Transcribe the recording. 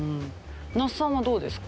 那須さんはどうですか？